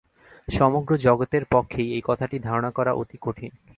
সমগ্র জগতের পক্ষেই এই কথাটি ধারণা করা অতি কঠিন।